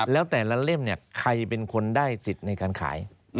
แล้วแต่ละเล่มใครเป็นคนได้สิทธิ์ในการขาย